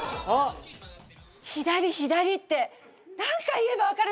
左左って何回言えば分かるのよ！